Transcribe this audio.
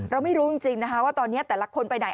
เราไม่รู้จริงนะคะว่าตอนนี้แต่ละคนไปไหน